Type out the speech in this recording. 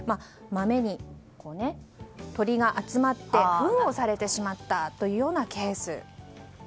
豆に鳥が集まってふんをされてしまったというようなケース。